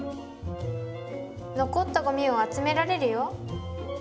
のこったごみを集められるよ。